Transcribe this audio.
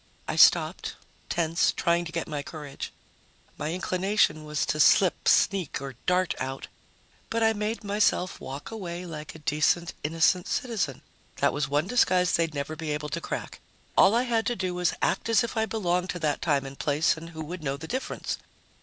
I stopped, tense, trying to get my courage. My inclination was to slip, sneak or dart out, but I made myself walk away like a decent, innocent citizen. That was one disguise they'd never be able to crack. All I had to do was act as if I belonged to that time and place and who would know the difference?